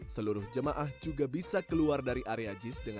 seluruh jemaah juga bisa keluar dari area jis dengan tertib dan berhubungan